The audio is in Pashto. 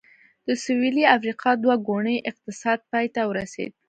د سوېلي افریقا دوه ګونی اقتصاد پای ته ورسېد.